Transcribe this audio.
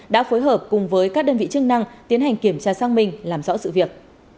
đã phối hợp cùng với các đơn vị chức năng tiến hành kiểm tra xác minh làm rõ sự việc